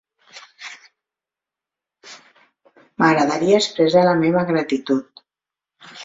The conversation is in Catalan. M'agradaria expressar la meva gratitud.